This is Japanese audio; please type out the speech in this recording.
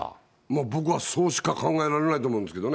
僕はそうしか考えられないと思うんですけどね。